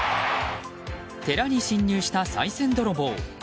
寺に侵入した、さい銭泥棒。